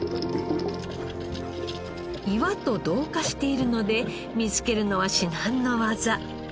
岩と同化しているので見つけるのは至難の業。